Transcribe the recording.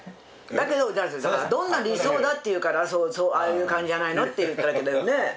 だけど「どんな理想だ？」って言うから「ああいう感じじゃないの？」って言っただけだよね。